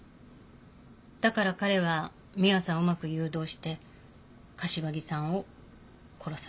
だから彼は美羽さんをうまく誘導して柏木さんを殺させた。